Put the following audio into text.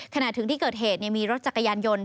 ขณะถึงที่เกิดเหตุมีรถจักรยานยนต์